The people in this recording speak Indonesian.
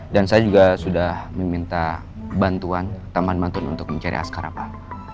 dan saya juga sudah meminta bantuan tambahan bantuan untuk mencari askara pak